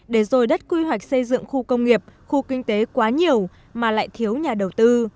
để rồi đất quy hoạch xây dựng khu công nghiệp khu kinh tế quá nhiều mà lại thiếu nhà đầu tư